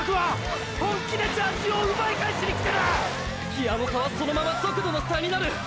ギアの差はそのまま速度の差になる！！